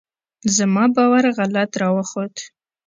زما باور غلط راوخوت.